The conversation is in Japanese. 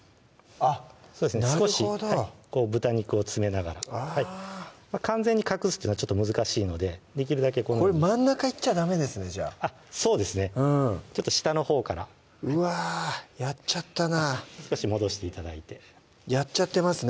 なるほど少し豚肉を詰めながら完全に隠すというのは難しいのでできるだけこれ真ん中行っちゃダメですねそうですねちょっと下のほうからうわやっちゃったなぁ少し戻して頂いてやっちゃってますね